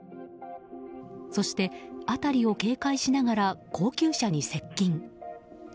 そして、辺りを警戒しながら高級車に接近。